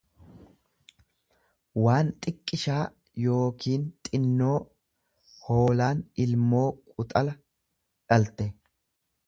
waan xiqqisha yookiin xinnoo; Hoolaan ilmoo quxala dhalte.